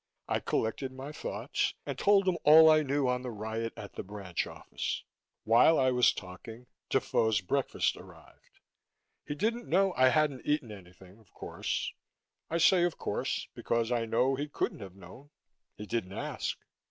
I collected my thoughts and told him all I knew on the riot at the branch office. While I was talking, Defoe's breakfast arrived. He didn't know I hadn't eaten anything, of course I say "of course" because I know he couldn't have known, he didn't ask.